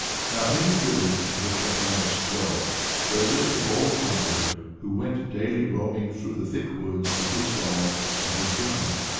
Now in the village in which her parents dwelt there lived a bold hunter, who went daily roaming through the thick woods with his dog and his gun.